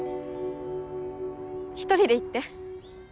１人で行って。